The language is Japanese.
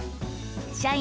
社員